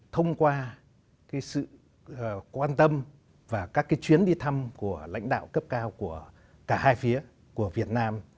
thông qua sự quan tâm và các chuyến đi thăm của lãnh đạo cấp cao của cả hai phía của việt nam